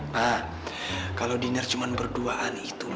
ma kalau dinner cuma berduaan itu